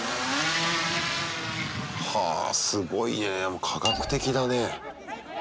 はぁすごいねぇ科学的だね。